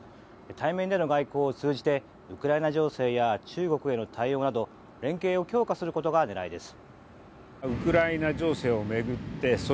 対面での外交を通じてウクライナ情勢や中国への対応など連携を強化することが狙いです。